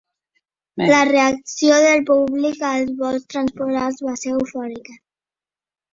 La reacció del públic als vols transpolars va ser eufòrica.